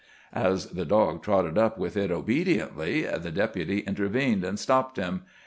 As the dog trotted up with it obediently, the Deputy intervened and stopped him.